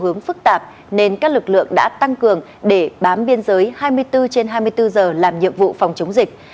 hướng phức tạp nên các lực lượng đã tăng cường để bám biên giới hai mươi bốn trên hai mươi bốn giờ làm nhiệm vụ phòng chống dịch